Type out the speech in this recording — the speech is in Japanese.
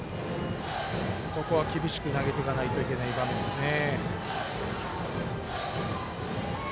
ここは厳しく投げていかないといけない場面ですね。